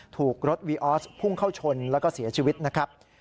ถูกรถวีออสพุ่งเข้าชนแล้วก็เสียชีวิตนะครับ